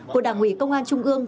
của đảng ủy công an trung ương